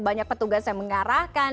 banyak petugas yang mengarahkan